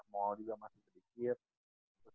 mall juga masih sedikit